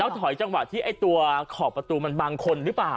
ถอยจังหวะที่ไอ้ตัวขอบประตูมันบางคนหรือเปล่า